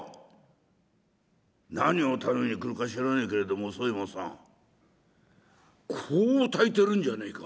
「何を頼みに来るか知らねえけれども宗右衛門さん香を焚いてるんじゃねえか。